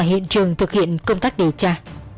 hiện trường thực hiện công tác điều tra